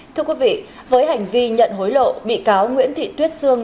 thưa quý vị với hành vi nhận hối lộ bị cáo nguyễn thị tuyết sương